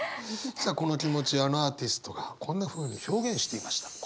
さあこの気持ちあのアーティストがこんなふうに表現していました。